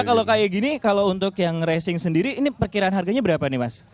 kalau kayak gini kalau untuk yang racing sendiri ini perkiraan harganya berapa nih mas